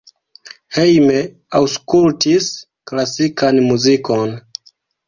Hejme aŭskultis klasikan muzikon.